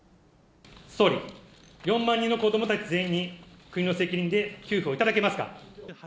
総理、４万人の子どもたち全員に、国の責任で給付をいただけますか。